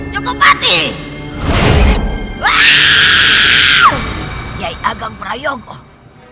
jangan berada di dalam kejahatan jogopati